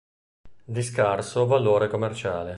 Di scarso valore commerciale.